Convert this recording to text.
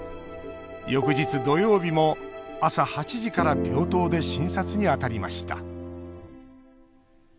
翌日土曜日も朝８時から病棟で診察にあたりました